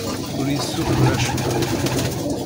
Ur iyi-ssutur acemma.